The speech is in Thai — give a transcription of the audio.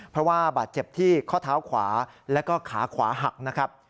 เพราะว่าบาดเจ็บที่ข้อเท้าขวาแล้วก็ขาขวาหักนะครับ